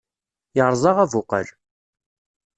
Yerẓa abuqal.